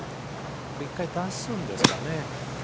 これ、１回出すんですかね。